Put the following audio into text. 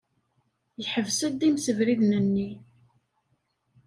Yeḥbes-d imsebriden-nni.